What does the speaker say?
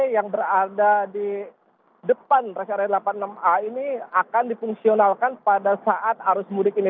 yang berada di depan res area delapan puluh enam a ini akan difungsionalkan pada saat arus mudik ini